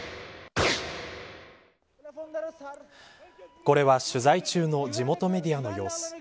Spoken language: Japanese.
これは取材中の地元メディアの様子。